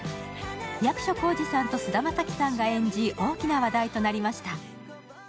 役所広司さんと菅田将暉さんが演じ大きな話題となりました。